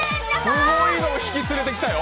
すごいの引き連れてきたよ。